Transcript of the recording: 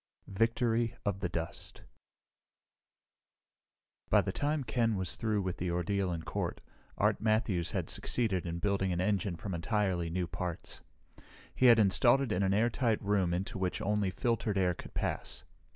Victory of the Dust By the time Ken was through with the ordeal in court, Art Matthews had succeeded in building an engine from entirely new parts. He had it installed in an airtight room into which only filtered air could pass.